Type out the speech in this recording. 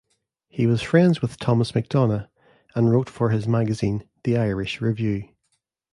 He was friends with Thomas MacDonagh, and wrote for his magazine "The Irish Review".